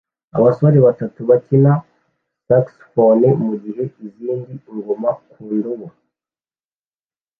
Abasore batatu bakina saxofhone mugihe izindi ngoma ku ndobo